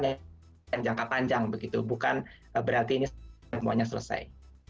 jangan jangka panjang begitu bukan berarti ini semuanya selesai